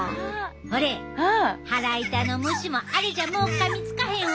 ほれ腹痛の虫もあれじゃもうかみつかへんわ！